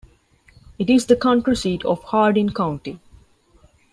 It is the county seat of Hardin County.